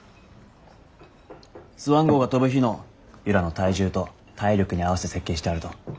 スワン号が飛ぶ日の由良の体重と体力に合わせて設計してあると。